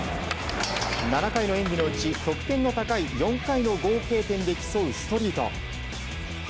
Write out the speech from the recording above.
７回の演技のうち得点の高い４回の合計で競うストリート。